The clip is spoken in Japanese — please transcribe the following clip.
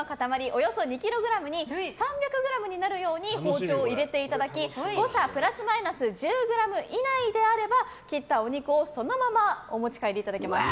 およそ２ｋｇに３００ｇになるように包丁を入れていただき誤差プラスマイナス１０ｇ以内であれば切ったお肉をそのままお持ち帰りいただけます。